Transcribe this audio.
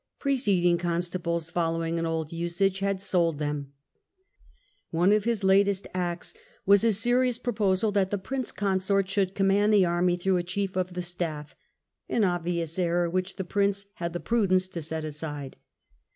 Preceding Constables, following an old usage, had sold theuL One of his latest acts was a serious proposal that the 254 WELUNGTON Prince Consort should command the anny through a Chief of the Staff — ^an ohvioos error, which the Prince had the pmdence to set aside.